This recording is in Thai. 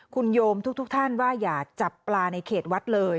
คุณโยมทุกท่านว่าอย่าจับปลาในเขตวัดเลย